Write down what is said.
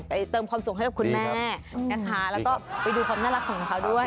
เติมความสุขให้กับคุณแม่นะคะแล้วก็ไปดูความน่ารักของเขาด้วย